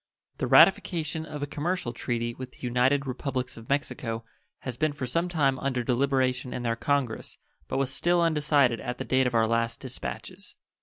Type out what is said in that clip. The ratification of a commercial treaty with the United Republics of Mexico has been for some time under deliberation in their Congress, but was still undecided at the date of our last dispatches.